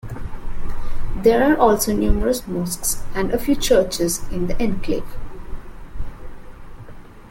There are also numerous mosques and a few churches in the enclave.